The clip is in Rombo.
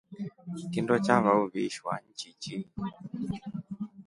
Kindo chava uvisha nchichi.